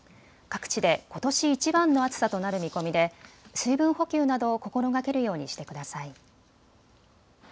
各地でことしいちばんの暑さとなる見込みで水分補給などを心がけるようにしてください。